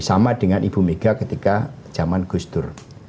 sama dengan ibu mega ketika zaman gustur